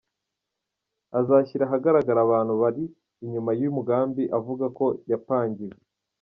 azashyira ahagaragara abantu bari inyuma yuyu mugambi avuga ko yapangiwe.